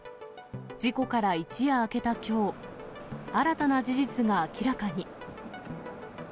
事故から一夜明けたきょう、新たな事実が明らかに。